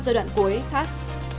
giai đoạn cuối thắt